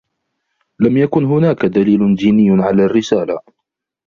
لم يكن هناك دليل جيني على الرّسالة.